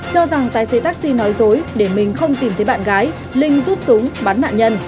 cho rằng tài xế taxi nói dối để mình không tìm thấy bạn gái linh rút súng bắn nạn nhân